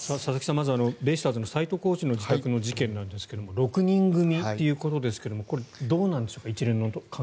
まずはベイスターズの斎藤コーチの自宅の事件なんですが６人組ということですがこれ、どうなんでしょうか